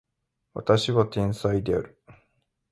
私は天才である